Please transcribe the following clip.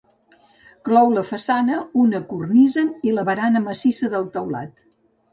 Clou la façana una cornisa i la barana massissa del teulat.